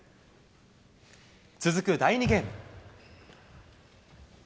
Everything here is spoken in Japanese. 続く第２ゲーム。